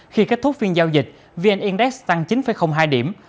khi kết thúc phiên giao dịch vn index tăng chín hai điểm